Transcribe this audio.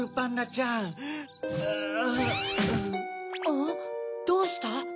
あっどうした？